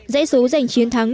giải số giành chiến thắng